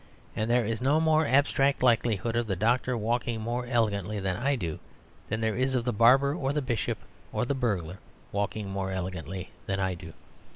And there is no more abstract likelihood of the doctor walking more elegantly than I do than there is of the barber or the bishop or the burglar walking more elegantly than I do.